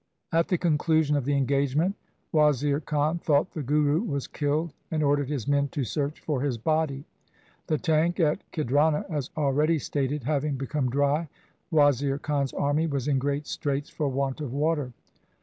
At the conclusion of the engagement Wazir Khan thought the Guru was killed, and ordered his men to search for his body. The tank at Khidrana, as already stated, having become dry, Wazir Khan's army was in great straits for want of water.